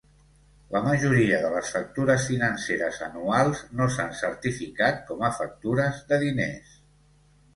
La majoria de les factures financeres anuals no s'han certificat com a factures de diners.